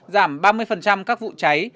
giảm ba mươi các vụ cháy